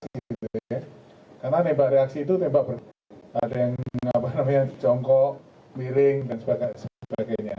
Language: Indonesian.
karena tembak reaksi itu ada yang jongkok miring dan sebagainya